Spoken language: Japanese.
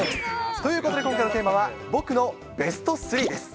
ということで今回のテーマは、僕のベスト３です。